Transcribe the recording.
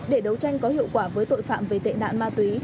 để đấu tranh có hiệu quả với tội phạm về tệ nạn ma túy